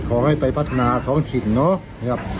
ขอให้ไปพัฒนาท้องถิ่นเนาะนะครับ